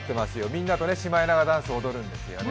みんなとシマエナガダンスを踊るんですよね。